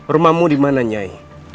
rumahmu dimana nyai